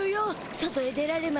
外へ出られま